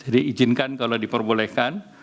jadi izinkan kalau diperbolehkan